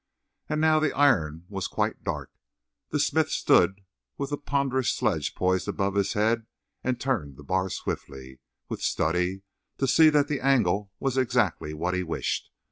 And now the iron was quite dark the smith stood with the ponderous sledge poised above his head and turned the bar swiftly, with study, to see that the angle was exactly what he wished.